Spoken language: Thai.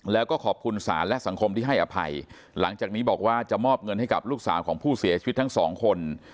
แล้วก็ขอบคุณศาลและสังคมที่ให้อภัยหลังจากนี้บอกว่าจะมอบเงินให้กับลูกสาวของผู้เสียชีวิตทั้งสองคน